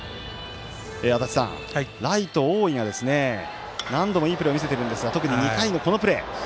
足達さん、ライト大井が何度もいいプレーを見せているんですが特に２回のこのプレー。